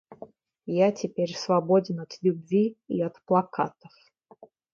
Я теперь свободен от любви и от плакатов.